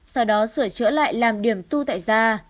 sau đó sửa chữa lại làm điểm tu tại ra